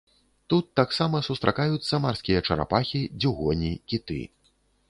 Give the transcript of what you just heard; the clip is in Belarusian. Тут таксама сустракаюцца марскія чарапахі, дзюгоні, кіты.